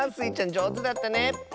じょうずだったね！